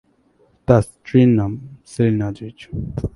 তার স্ত্রীর নাম সেলিনা আজিজ।